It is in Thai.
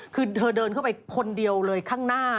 คือเธอเดินเข้าไปคนเดียวเลยข้างหน้า